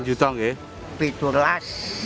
sebelas juta rupiah